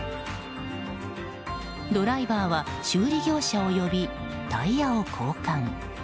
ドライバーは修理業者を呼びタイヤを交換。